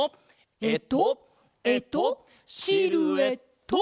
えっとえっとシルエット！